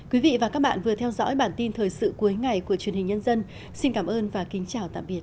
quý vị và các bạn vừa theo dõi bản tin thời sự cuối ngày của truyền hình nhân dân xin cảm ơn và kính chào tạm biệt